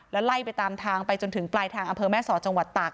แล้วไล่ไปตามทางไปจนถึงปลายทางอำเภอแม่สอดจังหวัดตาก